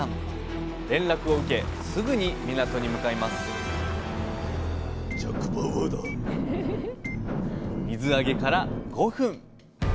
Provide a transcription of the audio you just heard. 連絡を受けすぐに港に向かいます水揚げから５分。